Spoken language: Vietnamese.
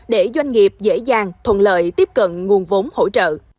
để doanh nghiệp dễ dàng thuận lợi tiếp cận nguồn vốn hỗ trợ